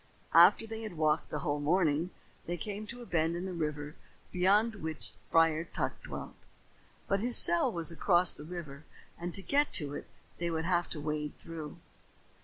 After they had walked a whole morning, they came to the bend in the river beyond which Friar Tuck dwelt. But his cell was across the river and to get to it they would have to wade through.